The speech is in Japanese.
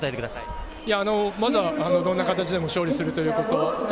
まずは、どんな形でも勝利するということと、